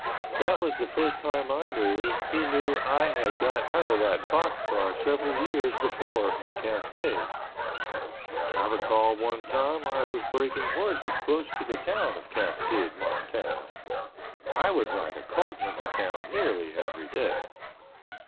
That was the first time I knew he knew I had got out of that box car several years before in Cascade. I recall one time I was breaking horses close to the town of Cascade, Montana. I would ride a colt into town nearly every day.